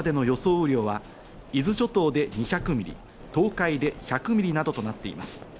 雨量は伊豆諸島で２００ミリ、東海で１００ミリなどとなっています。